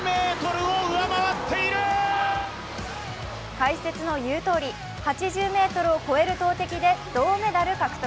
解説の言うとおり８０ｍを超える投てきで銅メダル獲得。